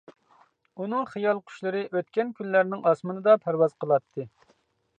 ئۇنىڭ خىيال قۇشلىرى ئوتكەن كۈنلەرنىڭ ئاسمىنىدا پەرۋاز قىلاتتى.